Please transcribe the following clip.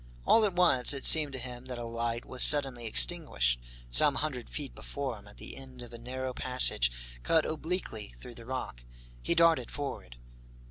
All at once, it seemed to him that a light was suddenly extinguished, some hundred feet before him, at the end of a narrow passage cut obliquely through the rock. He darted forward.